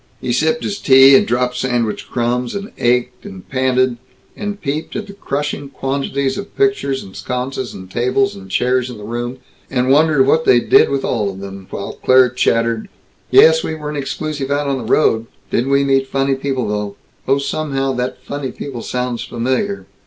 He sipped his tea, and dropped sandwich crumbs, and ached, and panted, and peeped at the crushing quantities of pictures and sconces and tables and chairs in the room, and wondered what they did with all of them, while Claire chattered: "Yes, we weren't exclusive out on the road. Didn't we meet funny people though! Oh, somehow that 'funny people' sounds familiar.